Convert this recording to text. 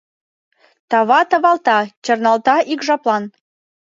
Тава, тавалта, чарналта ик жаплан